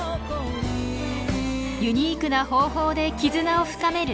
ユニークな方法で絆を深めるリカオン。